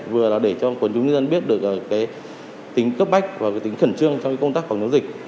vừa là để cho quần chúng nhân dân biết được tính cấp bách và tính khẩn trương trong công tác phòng chống dịch